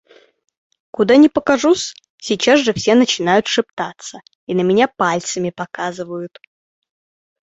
Куда не покажусь, сейчас же все начинают шептаться и на меня пальцами показывают.